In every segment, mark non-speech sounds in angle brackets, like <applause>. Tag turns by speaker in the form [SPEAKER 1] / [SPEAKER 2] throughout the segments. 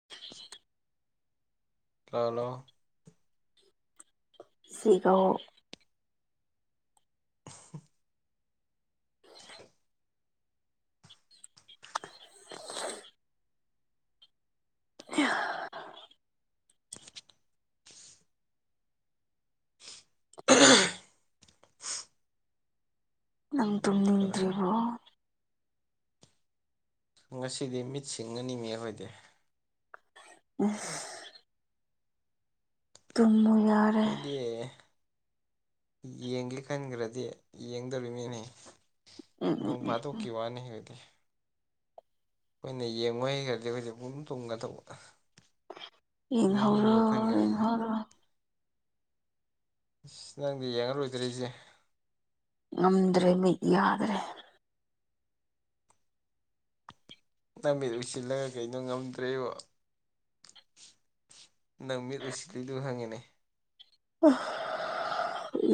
[SPEAKER 1] <unintelligible> ꯇꯥꯂꯣ
[SPEAKER 2] ꯁꯤꯒꯥꯎ
[SPEAKER 1] <unintelligible>
[SPEAKER 2] ꯅꯪ
[SPEAKER 1] ꯀꯔ
[SPEAKER 2] ꯇꯗ꯭ꯔꯤꯔꯤꯕꯣ
[SPEAKER 1] ꯉꯁꯤꯗꯤ ꯃꯤꯠꯁꯤꯡ ꯑꯅꯤ ꯃꯤ ꯑꯣꯏꯗꯦ
[SPEAKER 2] ꯎ ꯇꯃ
[SPEAKER 1] ꯀꯣꯏꯗꯤꯌꯦ ꯌꯦꯡꯒꯦ ꯈꯟꯈ꯭ꯔꯗꯤ ꯌꯦꯡꯗꯧꯔꯤꯕ ꯃꯤꯅꯤ
[SPEAKER 2] ꯎꯝ ꯎꯝ
[SPEAKER 1] ꯅꯣꯡ ꯐ
[SPEAKER 2] ꯎꯝ
[SPEAKER 1] ꯇꯣꯛꯀꯤ ꯋꯥꯅꯤ ꯑꯣꯏꯗꯤ ꯑꯩꯈꯣꯏꯅ ꯌꯦꯡꯕ ꯍꯩꯈ꯭ꯔꯗꯤ ꯑꯩꯈꯣꯏꯁꯦ ꯄꯨꯝ ꯇꯨꯝꯒ ꯇꯧꯕꯗ
[SPEAKER 2] ꯏꯍꯔꯣ ꯏꯍꯔꯣ
[SPEAKER 1] ꯑꯁ ꯅꯪꯗꯤ ꯌꯦꯡꯉꯔꯣꯏꯗ꯭ꯔꯔꯤꯁꯦ
[SPEAKER 2] ꯉꯝꯗ꯭ꯔꯦ ꯃꯤꯠ ꯌꯥꯗ꯭ꯔꯦ
[SPEAKER 1] ꯅꯨꯃꯤꯠ ꯎꯏꯁꯤꯜꯂꯒ ꯀꯩꯅꯣ ꯉꯝꯗ꯭ꯔꯦꯕ ꯅꯪ ꯃꯤꯠ ꯎꯁꯤꯜꯂꯤꯗꯨ ꯍꯪꯉꯤꯅꯦ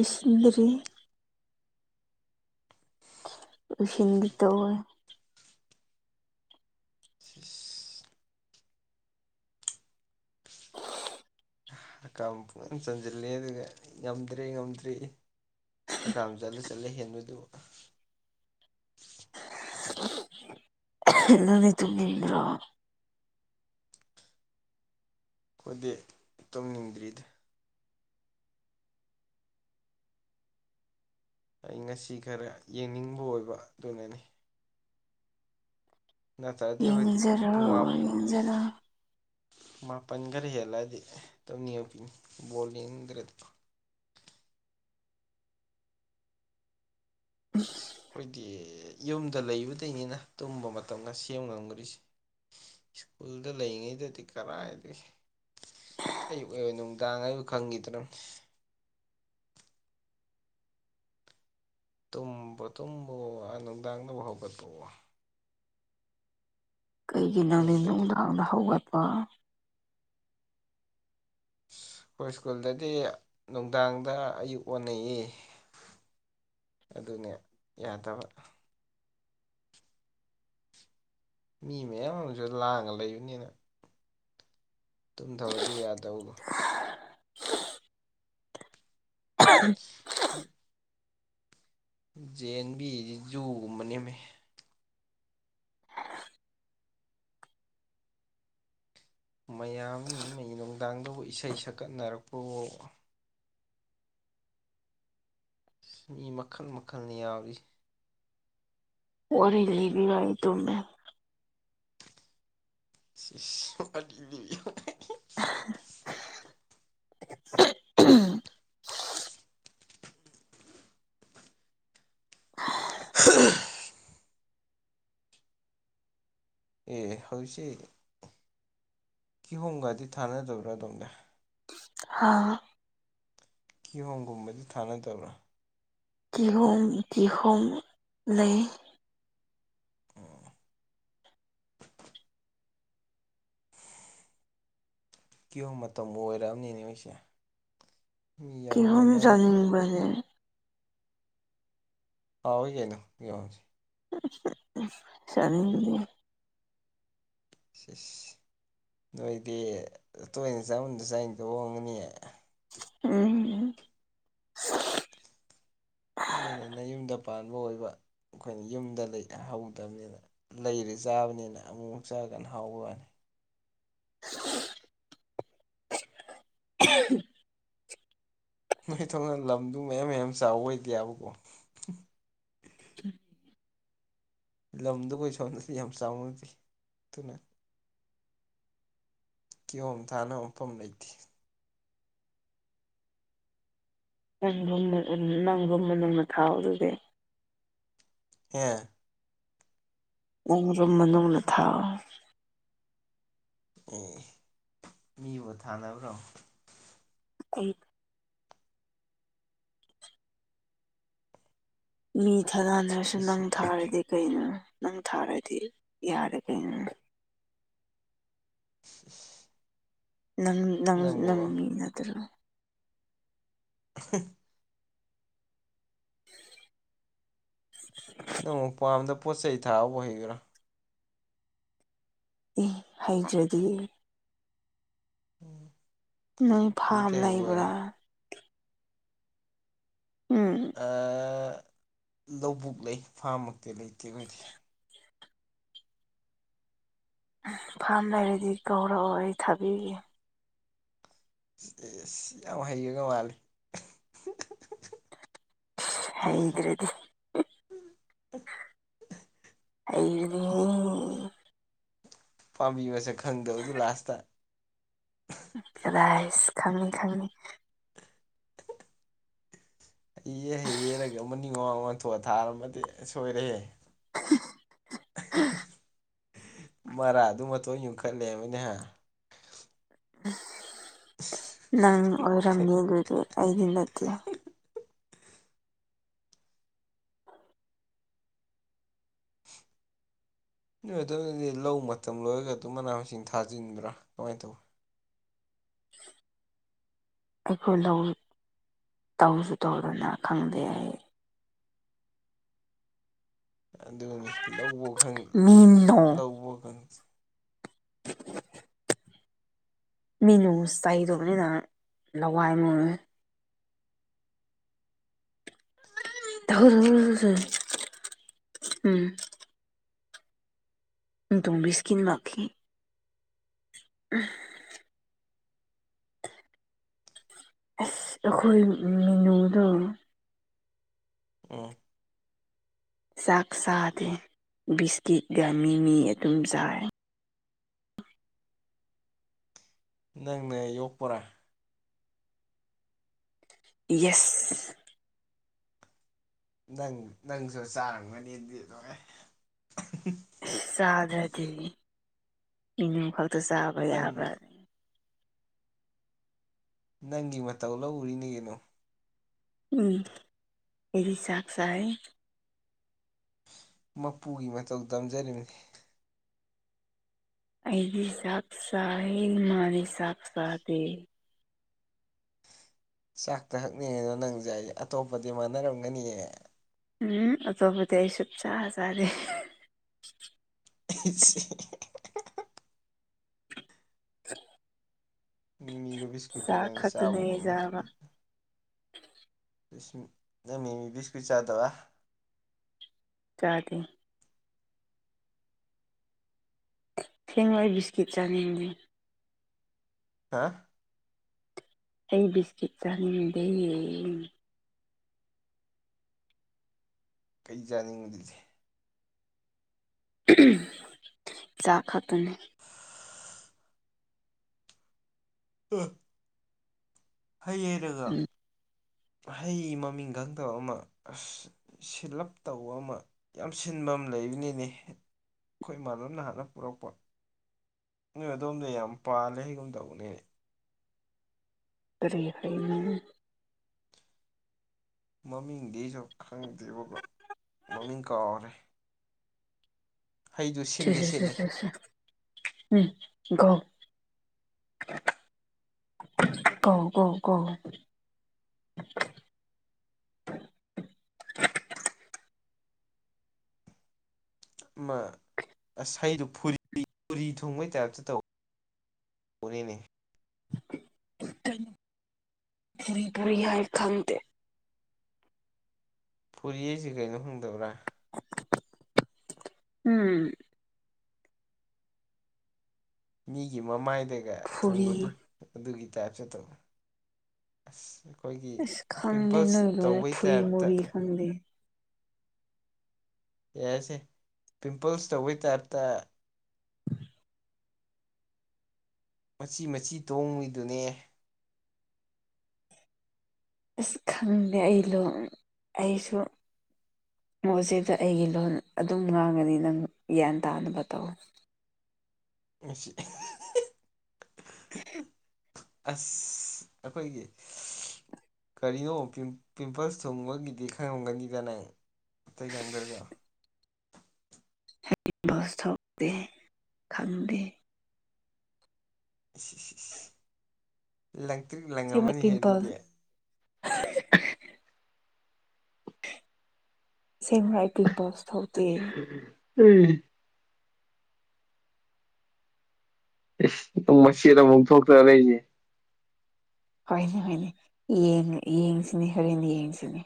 [SPEAKER 2] ꯏꯁꯤꯡꯗꯔꯤ ꯏꯁꯟꯗꯤ ꯇ
[SPEAKER 1] ꯐꯤꯁ
[SPEAKER 2] <unintelligible>
[SPEAKER 1] ꯀ ꯄꯨꯨꯡꯟꯅ ꯆꯟꯁꯤꯜꯂꯦ ꯑꯗꯨꯒ ꯉꯝꯗ꯭ꯔꯦ ꯉꯝꯗ꯭ꯔꯦ ꯍꯀꯥꯝ ꯆꯠꯂ ꯆꯠꯂꯦ ꯍꯦꯟꯕꯗꯨ
[SPEAKER 2] <unintelligible> ꯅꯅꯤꯇꯨ ꯃꯤꯗ꯭ꯔꯣ
[SPEAKER 1] ꯑꯩꯈꯣꯏꯗꯤ ꯏ ꯇꯧꯅꯤꯡꯗ꯭ꯔꯤꯗ ꯑꯩ ꯉꯁꯤ ꯈꯔ ꯌꯦꯡꯅꯤꯡꯕ ꯑꯣꯏꯕ ꯑꯗꯨꯅꯅꯤ ꯅꯠꯇ꯭ꯔꯗꯤ ꯑꯩꯣꯏꯗꯤ
[SPEAKER 2] ꯌꯦꯡꯖꯔꯣ
[SPEAKER 1] ꯄꯨꯡ ꯃꯥ
[SPEAKER 2] ꯌꯦꯡꯖꯔꯣ
[SPEAKER 1] ꯃꯥꯄꯟ ꯈꯔ ꯍꯦꯜꯂꯑꯗꯤ ꯇꯧꯅꯤꯄꯤꯅꯤ ꯕꯣꯂꯤꯡꯈ꯭ꯔꯦꯗ ꯑꯁ ꯑꯩꯈꯣꯏꯗꯤ ꯌꯨꯝꯗ ꯂꯩꯕꯗꯩꯅꯤꯅ ꯇꯨꯝꯕ ꯃꯇꯝꯗ ꯁꯦꯝ ꯉꯝꯗꯣꯔꯤꯁꯦ ꯁ꯭ꯀꯨꯜꯗ ꯂꯩꯉꯩꯗꯗꯤ ꯀꯔꯥꯏꯗꯤ ꯑꯌꯨꯛ ꯑꯩ ꯑꯣꯏꯅ ꯅꯨꯡꯗꯥꯡ ꯍꯥꯏꯕꯨ ꯈꯪꯈꯤꯗ꯭ꯔꯅꯦ ꯇꯨꯝꯕ ꯇꯨꯝꯕ ꯅꯨꯡꯗꯥꯡꯅꯕ ꯍꯧꯒꯠꯄꯑꯣ
[SPEAKER 2] ꯀꯩꯒꯤ ꯅꯪꯗꯤ
[SPEAKER 1] ꯌꯨꯝꯗꯗꯤ
[SPEAKER 2] ꯅꯨꯡꯗꯥꯡꯗ ꯍꯧꯒꯠꯄ
[SPEAKER 1] ꯑꯩꯈꯣꯏ ꯁ꯭ꯀꯨꯜꯗꯗꯤ ꯅꯨꯡꯗꯥꯡꯗ ꯑꯌꯨꯛ ꯑꯣꯟꯅꯏ ꯑꯗꯨꯅꯦ ꯌꯥꯗꯕ ꯃꯤ ꯃꯌꯥꯝ ꯑꯃꯁꯨ ꯂꯥꯡꯉ ꯂꯩꯕꯅꯤꯅ ꯇꯨꯝꯊꯕꯗꯨ ꯌꯥꯗꯧ ꯍ ꯖꯟ ꯕꯤ ꯖꯨꯒꯨꯝꯕ ꯅꯦꯝꯃꯤ ꯃꯌꯥꯝ ꯅꯨꯡꯗꯥꯡꯗꯕꯨ ꯏꯁꯩ ꯁꯛꯀꯠꯅꯔꯛꯄꯕꯨ ꯃꯤ ꯃꯈꯜ ꯃꯈꯜꯅ ꯌꯥꯎꯔꯤ
[SPEAKER 2] ꯋꯥꯔꯤꯔ ꯂꯤꯕꯤꯚꯏ ꯇꯃꯦ
[SPEAKER 1] ꯁꯤꯁ <unintelligible> ꯑꯦ ꯍꯧꯁꯦ ꯀꯤꯍꯣꯝ ꯒꯥꯔꯗꯤ ꯊꯥꯅꯗꯕ꯭ꯔꯥꯗꯣꯝꯒ
[SPEAKER 2] ꯑꯥ
[SPEAKER 1] ꯀꯤꯍꯣꯝꯒꯨꯝꯕꯗꯨ ꯊꯥꯅꯗꯕ꯭ꯔꯥ
[SPEAKER 2] ꯀꯤꯍꯣꯨꯝ ꯀꯤꯍꯣꯝ ꯂꯩ
[SPEAKER 1] ꯎꯝ ꯀꯤꯌꯣ ꯃꯇꯝ ꯑꯣꯏꯔꯛꯑꯕꯅꯤꯅꯦ ꯃꯣꯏꯁꯦ
[SPEAKER 2] ꯀꯍꯣ ꯅꯤ ꯃꯅꯦ
[SPEAKER 1] ꯍꯥꯎ ꯑꯣꯏ ꯌꯥꯩꯅ ꯌꯦꯉꯁꯤ
[SPEAKER 2] ꯁꯔ
[SPEAKER 1] ꯁꯤꯦꯁ ꯅꯣꯏꯗꯤ ꯇꯣꯏꯅ ꯆꯥꯃꯟꯗꯁꯨꯥꯏꯩꯅ ꯇꯧ ꯍꯣꯡꯒꯅꯤ
[SPEAKER 2] ꯎꯝ
[SPEAKER 1] ꯂꯣꯏꯅꯅ ꯌꯨꯝꯗ ꯄꯥꯟꯕ ꯑꯣꯏꯕ ꯑꯩꯈꯣꯏꯅ ꯌꯨꯝꯗ ꯂꯩ ꯍꯧꯗꯕꯅꯤꯅ ꯂꯩꯔꯦ ꯆꯥꯕꯅꯤꯅ ꯑꯃꯨꯛ ꯑꯃꯨꯛ ꯆꯥꯀꯥꯟꯅ ꯍꯥꯎꯈꯅꯤ
[SPEAKER 2] ꯎ
[SPEAKER 1] ꯅꯣꯏ ꯊ ꯊꯣꯛꯅ ꯂꯝꯗꯨ ꯃꯌꯥꯝ ꯃꯌꯥꯝ ꯆꯥꯎꯕ ꯑꯣꯏꯗꯦꯕꯀꯣ
[SPEAKER 2] <unintelligible>
[SPEAKER 1] ꯂꯝꯗ ꯀꯣꯏ ꯁꯣꯟꯗꯗꯤ ꯌꯥꯝ ꯆꯥꯎꯅꯗ ꯑꯗꯨꯨꯅ ꯀꯤꯌꯣꯝꯊꯥꯅ ꯃꯐꯝ ꯂꯩꯇꯦ
[SPEAKER 2] ꯅꯪꯒꯨꯝ ꯅꯪꯒꯨꯝꯅ ꯅꯪꯅ ꯊꯥꯎ ꯑꯗꯨꯗꯤ
[SPEAKER 1] ꯍꯦ
[SPEAKER 2] ꯎꯔ ꯃꯅꯅ ꯊꯥ
[SPEAKER 1] ꯑꯦ ꯃꯤꯕꯨ ꯊꯥꯅꯕ꯭ꯔꯣ
[SPEAKER 2] ꯎ ꯃꯤꯊꯦ ꯅꯥꯟ ꯁ ꯅꯪ
[SPEAKER 1] ꯏꯁ
[SPEAKER 2] ꯊꯥꯔ ꯀꯩꯅꯣ ꯅꯪ ꯊꯥꯔꯗꯤ ꯌꯥꯔꯦ ꯀꯩꯅꯣ
[SPEAKER 1] <unintelligible>
[SPEAKER 2] ꯪ ꯅꯪ
[SPEAKER 1] ꯅꯪꯕꯨ
[SPEAKER 2] ꯅꯪꯉ ꯅꯠꯇ꯭ꯔꯣ
[SPEAKER 1] <unintelligible> ꯅꯪ ꯄꯥꯝꯗ ꯄꯣꯠ ꯆꯩꯩ ꯊꯥꯕ ꯍꯩꯕ꯭ꯔꯥ
[SPEAKER 2] ꯑꯦ ꯍꯥꯏꯖ꯭ꯔꯗꯤꯌꯦ
[SPEAKER 1] ꯎꯝ
[SPEAKER 2] ꯅꯣꯏ ꯐꯥꯝ ꯂꯩꯕ꯭ꯔꯥ ꯎꯝ
[SPEAKER 1] ꯂꯧꯕꯨꯛ ꯂꯩ ꯐꯥꯝꯃꯛꯇꯤ ꯂꯩꯇꯦ ꯑꯣꯏꯗꯦ
[SPEAKER 2] ꯐꯥꯝ ꯂꯩꯔꯗꯤ ꯀꯧꯔꯛꯑꯣ ꯑꯩ ꯊꯥꯕꯤꯒꯦ
[SPEAKER 1] ꯑꯦꯁ ꯌꯥꯝ ꯍꯩꯌꯦꯒ ꯃꯥꯂ
[SPEAKER 2] ꯍꯗ꯭ꯔꯦꯗꯤ
[SPEAKER 1] ꯎꯝ
[SPEAKER 2] ꯑꯩ
[SPEAKER 1] ꯄꯥꯝꯕꯤꯕꯁꯦ ꯈꯪꯗꯕꯗꯨ ꯂꯥꯁꯇ
[SPEAKER 2] ꯔꯥꯏꯁ ꯈꯪꯉꯅꯤ ꯈꯪꯉꯅꯤ
[SPEAKER 1] ꯍ ꯍꯩꯌꯦꯔꯒ ꯑꯃꯅꯤꯡ ꯋꯥꯃꯥꯡ ꯋꯥꯡꯊꯣꯛꯑ ꯊꯥꯔꯝꯃꯗꯤ ꯁꯣꯏꯔꯦꯦ <unintelligible> ꯃꯔꯥꯗꯨ ꯃꯇꯣꯟ ꯌꯨꯡꯈꯠꯂꯦꯕꯅꯦꯍ
[SPEAKER 2] ꯅꯪ ꯑꯣꯏꯔꯝꯃꯦ ꯑꯗꯨꯗꯤ ꯑꯩꯗꯤ ꯅꯠꯇꯦ
[SPEAKER 1] ꯑꯗꯨꯗꯗꯤ ꯂꯧ ꯃꯇꯝ ꯂꯣꯏꯔꯒ ꯑꯗꯨꯝ ꯃꯅꯥ ꯃꯁꯤꯡ ꯊꯥꯖꯤꯟꯕ꯭ꯔꯥ ꯀꯃꯥꯏꯅ ꯇꯧꯋ
[SPEAKER 2] <unintelligible> ꯑꯩꯈꯣꯏ ꯂꯧ ꯇꯧꯁꯨ ꯇꯧꯗꯅ ꯈꯪꯗꯦ ꯑꯩ
[SPEAKER 1] ꯑꯗꯨꯅꯤ ꯂꯧꯕ
[SPEAKER 2] ꯃꯤꯅꯣ
[SPEAKER 1] ꯂꯧꯕ ꯈꯪꯦ
[SPEAKER 2] <unintelligible> ꯃꯤꯅꯨ ꯆꯩꯗꯕꯅꯤꯅ ꯂꯋꯥꯏ ꯑꯃꯦ ꯍ ꯎꯝ ꯇꯨꯡꯕꯤ ꯏꯁꯀꯤꯅ ꯃꯥꯈꯤ ꯎꯝ ꯑꯁ ꯑꯩꯈꯣꯏ ꯃꯤꯅꯨꯗ
[SPEAKER 1] ꯎ
[SPEAKER 2] ꯆꯥꯛ ꯆꯗꯦ ꯕꯤꯁꯀꯤꯠꯒ ꯃꯤꯃꯤ ꯑꯗꯨꯝ ꯆꯥꯏ
[SPEAKER 1] ꯅꯪꯅꯦ ꯌꯣꯛꯄꯣꯔꯥ
[SPEAKER 2] ꯌꯦꯁ
[SPEAKER 1] ꯅꯪ ꯅꯪꯁꯨ ꯆꯥꯔꯝꯒꯅꯤꯗꯤ ꯂꯣꯏꯣꯏ
[SPEAKER 2] ꯆꯥꯗ꯭ꯔꯗꯤ ꯏꯅꯨ ꯈꯛꯇ ꯆꯥꯕ
[SPEAKER 1] ꯅꯪ
[SPEAKER 2] ꯌꯥꯕ꯭ꯔ
[SPEAKER 1] ꯅꯪꯒꯤ ꯃꯇꯧ ꯂꯧ ꯎꯔꯤꯅꯦ ꯀꯩꯅꯣ
[SPEAKER 2] ꯎꯝ ꯐꯔꯤ ꯁꯥꯥꯛ ꯁꯥꯍꯥꯏ
[SPEAKER 1] ꯃꯄꯨꯒꯤ ꯃꯇꯧ ꯇꯝꯖꯔꯤꯕꯅꯤ
[SPEAKER 2] ꯑꯩꯗꯤ ꯆꯥꯛ ꯆ ꯃꯥꯒꯤ ꯁꯥꯥꯛ ꯆꯗꯦ
[SPEAKER 1] ꯆꯥꯛꯇ ꯍꯛꯅꯤꯡꯉꯤꯅꯣ ꯅꯪꯖ ꯑꯩ ꯑꯇꯣꯞꯄꯗꯤ ꯃꯥꯟꯅꯔꯝꯒꯅꯤꯌꯦ
[SPEAKER 2] ꯎꯝ ꯑꯇꯣꯞꯕꯨꯗꯤ ꯑꯩ ꯁꯨꯞ ꯆꯥ ꯆꯥꯗꯦ
[SPEAKER 1] <unintelligible>
[SPEAKER 2] <unintelligible>
[SPEAKER 1] ꯃꯤꯃꯤꯒ ꯕꯤꯁꯀꯨꯠꯀ
[SPEAKER 2] ꯆꯥꯛ
[SPEAKER 1] ꯅꯪꯅ ꯆꯥꯕ ꯑꯣꯏꯔꯝꯒꯅꯤ
[SPEAKER 2] ꯈꯗꯨꯅꯖꯕ
[SPEAKER 1] ꯁ ꯑꯃꯤ ꯕꯤꯁꯀꯨꯠ ꯆꯥꯗꯕ
[SPEAKER 2] ꯆꯗꯦ ꯊꯦꯡꯦꯡ ꯃꯣꯏ ꯁꯀꯤꯠ ꯆꯅꯤ
[SPEAKER 1] ꯍꯥ
[SPEAKER 2] ꯑꯩ ꯕꯤꯁꯀꯤꯠ ꯆꯥ ꯂꯩ
[SPEAKER 1] ꯀꯩ ꯌꯥꯥꯅꯤꯡꯕꯗꯨꯗꯤꯦ
[SPEAKER 2] ꯆꯥ ꯈꯇꯅꯦ
[SPEAKER 1] ꯎ ꯍꯩꯌꯦꯔꯒ
[SPEAKER 2] ꯎꯝ
[SPEAKER 1] ꯍꯩ ꯃꯃꯤꯡ ꯈꯪꯗꯕ ꯑꯃ ꯑꯁ ꯁꯤꯜꯂꯞ ꯇꯧꯕ ꯑꯃ ꯌꯥꯝ ꯁꯤꯟꯕ ꯑꯃ ꯂꯩꯕꯅꯤꯅꯦ ꯑꯩꯈꯣꯏ ꯏꯃꯥꯟꯅꯕ ꯅꯍꯥꯟꯅ ꯄꯨꯔꯛꯄ ꯅꯣꯏ ꯑꯗꯣꯝꯗ ꯌꯥꯝ ꯄꯥꯜꯂꯦ ꯍꯒꯨꯝ ꯇꯧꯕꯅꯦꯅꯦ
[SPEAKER 2] ꯀꯔꯔꯤ ꯍꯥꯏꯅꯦ
[SPEAKER 1] ꯃꯃꯤꯡꯗꯤ ꯑꯩꯁꯨ ꯈꯪꯗ꯭ꯦꯕ ꯃꯃꯤꯡ ꯀꯥꯎꯔꯦ ꯍꯩꯗꯨ
[SPEAKER 2] ꯁꯤ
[SPEAKER 1] ꯁꯤꯟꯗꯤ ꯁꯤꯠꯂꯤ
[SPEAKER 2] ꯎꯝ ꯀꯣ ꯎ ꯀꯣ ꯀꯣ <unintelligible>
[SPEAKER 1] ꯑꯁ ꯑꯩꯗꯨꯣ ꯐ ꯐꯣꯔꯤ ꯊꯣꯡꯕꯩ ꯇꯥꯏꯞꯇ ꯇꯧ ꯄꯨꯅꯤꯅꯤ
[SPEAKER 2] ꯄꯦꯄꯔꯤ ꯍꯥꯏ ꯈꯪꯇ
[SPEAKER 1] ꯐꯨꯔꯤ ꯑꯩꯁꯤ ꯀꯩꯅꯣ ꯍꯪꯗꯕ꯭ꯔꯥ
[SPEAKER 2] ꯎꯝ
[SPEAKER 1] ꯃꯤꯒꯤ ꯃꯃꯥꯏꯗꯒ
[SPEAKER 2] ꯐꯨꯔꯤ
[SPEAKER 1] ꯊꯨꯡꯕꯗꯨ ꯑꯗꯨꯒꯤ ꯇꯁꯦ ꯇꯣ ꯑ ꯑꯩꯈꯣꯏꯒꯤ
[SPEAKER 2] ꯑꯁ ꯈꯪꯗꯦ
[SPEAKER 1] ꯄꯤꯝꯄꯜꯁ
[SPEAKER 2] ꯅꯣꯏ ꯂꯣꯟ
[SPEAKER 1] ꯇꯧꯕꯩ
[SPEAKER 2] ꯐꯨꯔꯤ
[SPEAKER 1] ꯇꯥꯏꯞꯇ
[SPEAKER 2] ꯃꯨꯔꯤ ꯈꯪꯗꯦ
[SPEAKER 1] ꯌꯥꯏꯁꯦ ꯄꯤꯝꯄꯜꯁ ꯇꯧꯕꯩ ꯇꯥꯔꯛꯇ ꯃꯆꯤ ꯃꯆꯤ ꯇꯣꯡꯉꯏꯗꯨꯅꯦ
[SPEAKER 2] ꯑꯁ ꯈꯪꯗꯦ ꯑꯩꯗꯣ ꯑꯩꯁꯨ ꯃꯣꯠꯁꯤꯗ ꯑꯩꯒꯤ ꯂꯣꯟ ꯑꯗꯨꯝ ꯉꯥꯡꯉꯅꯤ ꯅꯪ ꯒ꯭ꯌꯥꯟ ꯇꯥꯅꯕ ꯇꯧ <unintelligible>
[SPEAKER 1] ꯃꯁꯤꯁꯤ ꯑꯁ ꯑꯩꯈꯣꯏꯒꯤ ꯀꯔꯤꯅꯣ ꯄꯤꯝꯄꯜꯁ ꯊꯨꯡꯕꯒꯤꯗꯤ ꯈꯪꯉꯝꯒꯅꯤꯗ ꯅꯪ ꯏꯇꯩꯇꯩ ꯀꯦꯟꯗ꯭ꯔ ꯆ
[SPEAKER 2] ꯍꯁ ꯊꯣꯛꯗ ꯈꯝꯗ
[SPEAKER 1] ꯂꯪ ꯀꯛ
[SPEAKER 2] ꯁꯤ
[SPEAKER 1] ꯂꯪꯉꯝꯃꯅꯤꯍꯦ
[SPEAKER 2] ꯄꯤꯝꯄꯜ
[SPEAKER 1] ꯑꯗꯨꯗꯤ
[SPEAKER 2] ꯁꯦꯝ ꯔꯥꯏꯇꯤꯡ ꯄꯁ ꯊꯧꯇ
[SPEAKER 1] ꯎꯝ ꯑꯦ ꯃꯆꯦꯠ ꯑꯃꯨꯛ ꯊꯣꯛꯇ꯭ꯔ ꯂꯩꯁꯦ
[SPEAKER 2] ꯍꯣꯏꯅꯦ ꯍꯣꯏꯅꯦ ꯌꯦꯡ ꯌꯦꯡꯁꯤꯅꯦ ꯍꯣꯔꯦꯟ ꯌꯦꯡꯁꯤꯅꯦ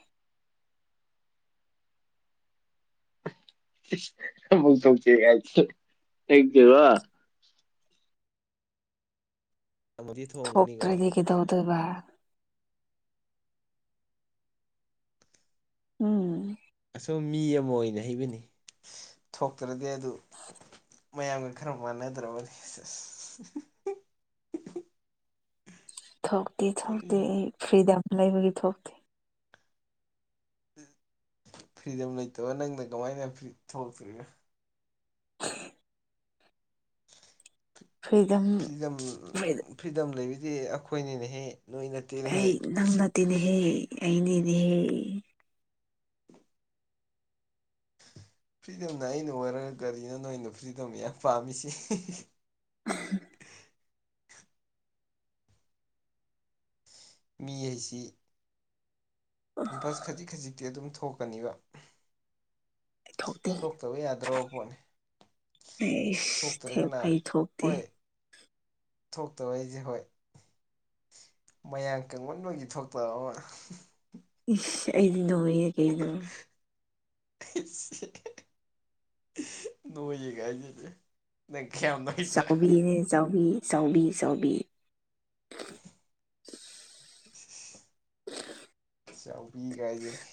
[SPEAKER 1] ꯨꯛ ꯁ ꯍ ꯀ ꯋꯥ ꯃꯗꯤ ꯊꯣꯡꯒꯅꯤꯀꯣ
[SPEAKER 2] ꯑꯗꯨꯒꯕꯥ ꯎꯝ
[SPEAKER 1] ꯑꯁꯨꯝ ꯃꯤ ꯑꯃ ꯑꯣꯏꯅ ꯍꯩꯕꯅꯤ ꯊꯣꯛꯇ꯭ꯔꯗꯤ ꯑꯗꯨ ꯃꯌꯥꯝꯒ ꯈꯔ ꯃꯥꯟꯅꯗ꯭ꯔꯕ
[SPEAKER 2] <unintelligible> ꯊꯣꯛꯇꯦ ꯊꯣꯛꯇꯦ ꯑꯩ ꯐ꯭ꯔꯤꯗꯝ ꯂꯩꯕꯒꯤ ꯊꯣꯛꯇꯦ
[SPEAKER 1] ꯐ꯭ꯔꯤꯗꯝ ꯂꯩꯇꯕ ꯅꯪꯅ ꯀꯃꯥꯏꯅ ꯊꯣꯛꯂꯛꯇ꯭ꯔꯤꯅ
[SPEAKER 2] ꯐ꯭ꯔꯤꯗꯝ
[SPEAKER 1] ꯐ꯭ꯔꯤꯗꯝ
[SPEAKER 2] ꯐ꯭ꯔꯤꯗ
[SPEAKER 1] ꯐ꯭ꯔꯤꯗꯝ ꯂꯩꯕꯗꯤ ꯑꯩꯈꯣꯏꯅꯤꯅꯦꯍꯦ
[SPEAKER 2] ꯑꯩ ꯅꯪ ꯅꯠꯇꯦꯅꯦꯍꯦ ꯑꯩꯅꯦ ꯏꯅꯦꯍꯦ
[SPEAKER 1] <unintelligible> ꯐ꯭ꯔꯤꯗꯝꯅ ꯑꯩꯅ ꯑꯣꯏꯔꯒ ꯀꯔꯤꯅꯣ ꯅꯣꯏꯅ ꯐ꯭ꯔꯤꯗꯝ ꯌꯥꯝ ꯄꯥꯝꯃꯤꯁꯤ
[SPEAKER 2] <unintelligible>
[SPEAKER 1] ꯃꯤ ꯍꯥꯏꯁꯤ
[SPEAKER 2] ꯑꯩ
[SPEAKER 1] ꯄꯤꯝꯄꯜꯁ ꯈꯖꯤꯛ ꯈꯖꯤꯛꯇꯤ ꯑꯗꯨꯝ ꯊꯣꯛꯀꯅꯤꯕ ꯊꯣꯛꯇꯕ ꯌꯥꯗ꯭ꯔꯕ ꯄꯣꯠꯅꯤ
[SPEAKER 2] ꯁ
[SPEAKER 1] ꯊꯣꯛꯇ꯭ꯔꯒꯅ
[SPEAKER 2] ꯊꯦꯚꯏ ꯊꯣꯛꯣꯛꯇ
[SPEAKER 1] ꯍꯣꯏ ꯊꯣꯛꯇꯕ ꯑꯩꯁꯦ ꯍꯣꯏ ꯃꯌꯥꯝ ꯀꯪꯃꯟꯕꯒꯤ ꯊꯣꯛꯇꯛꯑꯣ
[SPEAKER 2] ꯏ ꯑꯩꯗꯤ ꯅꯏꯌꯦ ꯀꯩꯅ
[SPEAKER 1] ꯅꯣꯡ ꯀꯗ ꯅꯪ ꯀꯌꯥꯝ ꯅꯣꯏꯗ꯭ꯔꯥ
[SPEAKER 2] ꯆꯥꯎꯕꯤꯅꯦ ꯆꯥꯎꯕꯤ ꯆꯥꯎꯕꯤ ꯆꯥꯎꯕꯤ
[SPEAKER 1] <unintelligible> ꯆꯥꯎꯕꯤ ꯀꯥꯏꯁꯤꯦꯅꯦ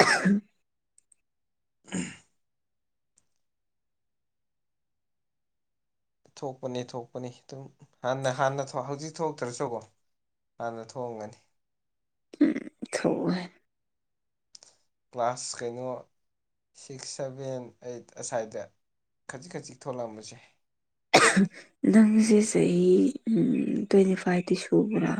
[SPEAKER 2] ꯎ
[SPEAKER 1] ꯎꯝ ꯊꯣꯛꯄꯅꯤ ꯊꯣꯛꯄꯅꯤ ꯑꯗꯨꯝꯅ ꯍꯥꯟꯅ ꯍꯧꯖꯤꯛ ꯊꯣꯛꯇ꯭ꯔꯁꯨꯀꯣ ꯍꯥꯟꯅ ꯊꯣꯡꯒꯅꯤ
[SPEAKER 2] ꯊꯣꯛꯑꯣꯏ
[SPEAKER 1] ꯀ꯭ꯂꯥꯁ ꯀꯩꯅꯣ ꯁꯤꯛꯁ ꯁꯚꯦꯟ ꯑꯩꯠ ꯑꯁ꯭ꯋꯥꯏꯗ ꯈꯖꯤꯛ ꯈꯖꯤꯛ ꯊꯣꯛꯂꯝꯕꯁꯦ
[SPEAKER 2] ꯅꯪꯁꯦ ꯆꯍꯤ ꯇ꯭ꯋꯦꯟꯇꯤ ꯐꯥꯏꯚꯇꯤ ꯁꯨꯕ꯭ꯔꯥ